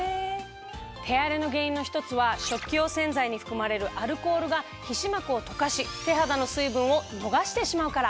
手荒れの原因の１つは食器用洗剤に含まれるアルコールが皮脂膜を溶かし手肌の水分を逃してしまうから。